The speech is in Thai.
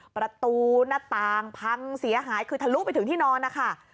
ประตูหน้าต่างพังเสียหายคือทะลุไปถึงที่นอนนะคะ